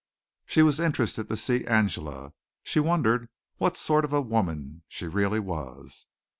She was interested to see Angela. She wondered what sort of a woman she really was.